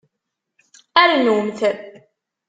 Rnumt!